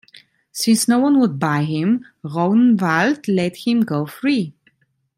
Since no one would buy him, Rognvald let him go free.